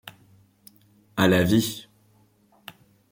À la vie.